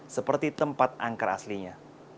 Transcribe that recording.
seperti tempat angker aslinya